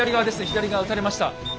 左側撃たれました。